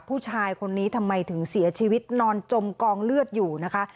ผู้ชายคนนี้ทำไมถึงเสียชีวิตนอนจมกองเลือดอยู่นะคะ